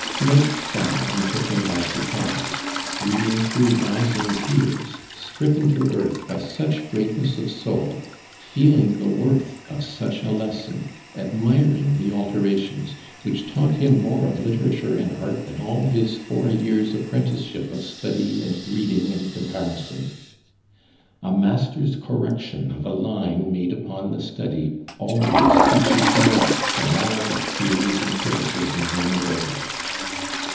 Night fell and took him by surprise, reading through rising tears, stricken to earth by such greatness of soul, feeling the worth of such a lesson, admiring the alterations, which taught him more of literature and art than all his four years' apprenticeship of study and reading and comparison. A master's correction of a line made upon the study always teaches more than all the theories and criticisms in the world.